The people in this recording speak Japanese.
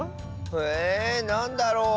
えなんだろう？